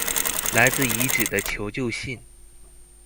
來自遺址的求救信